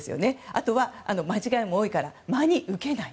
あとは、間違いも多いから真に受けない。